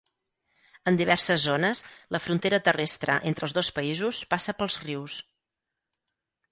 En diverses zones, la frontera terrestre entre els dos països passa pels rius.